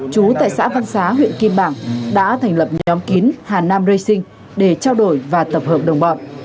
chú tại xã văn xá huyện kim bảng đã thành lập nhóm kín hà nam ra sinh để trao đổi và tập hợp đồng bọn